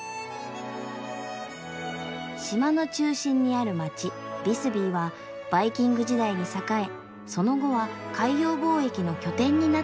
島の中心にある街「ビスビー」はバイキング時代に栄えその後は海洋貿易の拠点になったところ。